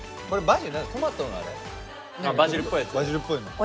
バジルっぽいの。